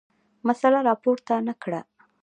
مسله راپورته نه کړه.